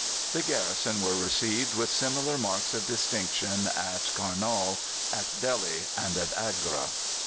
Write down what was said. The garrison were received with similar marks of distinction at Kurnaul, at Delhi, and at Agra.